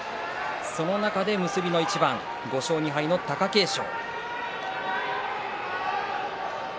その中で結びの一番。５勝２敗の貴景勝。